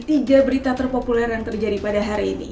tiga berita terpopuler yang terjadi pada hari ini